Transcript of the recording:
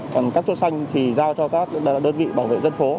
còn các cây xanh thì giao cho các đơn vị bảo vệ dân phố